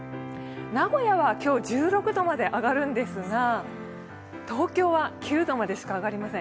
名古屋は今日１６度まで上がるんですが東京は９度までしか上がりません。